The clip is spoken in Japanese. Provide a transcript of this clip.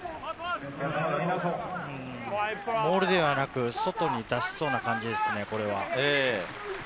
モールではなく、外に出しそうな感じですね。